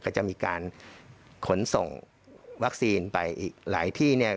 ก็จะมีการขนส่งวัคซีนไปอีกหลายที่เนี่ย